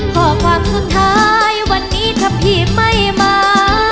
ข้อความสุดท้ายวันนี้ถ้าพี่ไม่มา